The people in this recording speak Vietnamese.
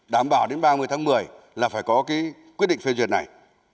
đảm bảo đến ba mươi tháng một mươi là phải có cái quyết định phê duyệt này